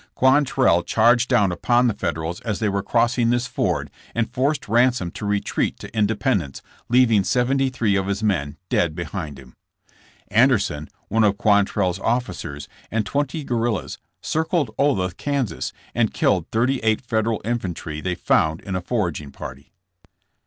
Quantrell cha:rged down upon the Federals as they were crossing this ford and forced Ransom to retreat to Independence, leaving seventy three of his men dead behind him. Anderson, one of QuantrelPs officers, and twenty guerrillas, circled Olathe, Kas., and killed thirty eight Federal infantry they found in a foraging party.